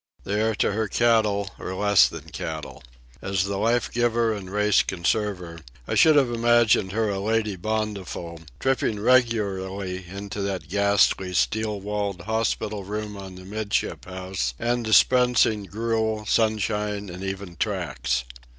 They are to her cattle, or less than cattle. As the life giver and race conserver, I should have imagined her a Lady Bountiful, tripping regularly into that ghastly steel walled hospital room of the midship house and dispensing gruel, sunshine, and even tracts.